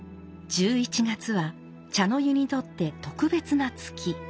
１１月は茶の湯にとって特別な月。